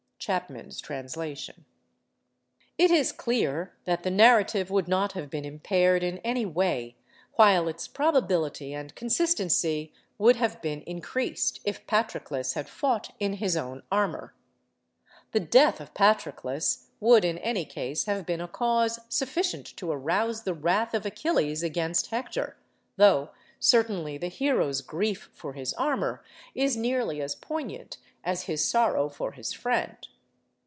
—Chapman's Translation. It is clear that the narrative would not have been impaired in any way, while its probability and consistency would have been increased, if Patroclus had fought in his own armour. The death of Patroclus would in any case have been a cause sufficient to arouse the wrath of Achilles against Hector—though certainly the hero's grief for his armour is nearly as poignant as his sorrow for his friend.